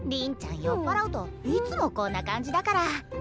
酔っ払うといつもこんな感じだから。